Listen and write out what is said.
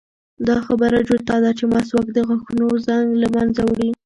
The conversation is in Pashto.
دا خبره جوته ده چې مسواک د غاښونو زنګ له منځه وړي.